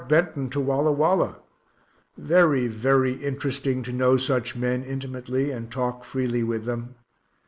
Benton to Walla Walla very, very interesting to know such men intimately, and talk freely with them.